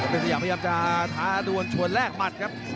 เป็นสยามพยายามจะท้าดวนชวนแรกหมัดครับ